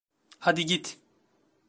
Hadi git.